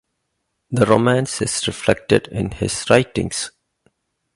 The romance is reflected in his writings.